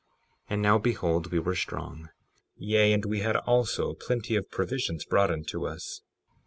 And now behold, we were strong, yea, and we had also plenty of provisions brought unto us.